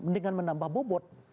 mendingan menambah bobot